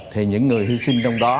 thì những người hy sinh trong đó